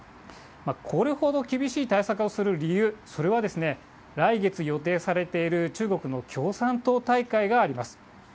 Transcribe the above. これほど厳しい対策をする理由、それは来月予定されている中国の共産党大会があります。